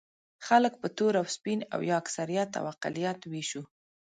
خلک په تور او سپین او یا اکثریت او اقلیت وېشو.